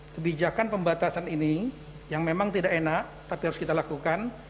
kebijakan pembatasan ini yang memang tidak enak tapi harus kita lakukan